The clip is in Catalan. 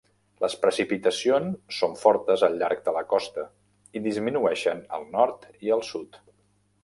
Les precipitacions són fortes al llarg de la costa i disminueixen al nord i al sud.